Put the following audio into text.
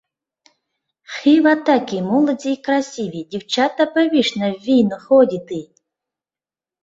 Хива таки молоди и красиви дивчата повинша в вийну ходиты?